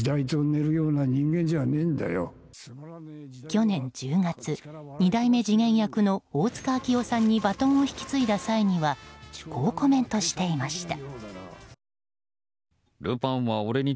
去年１０月、２代目次元役の大塚明夫さんに引き継いだ際にはこうコメントしていました。